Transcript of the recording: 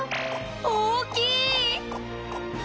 大きい！